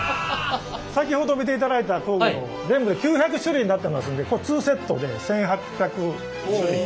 先ほど見ていただいた工具全部で９００種類になってますんでこれ２セットで１，８００種類。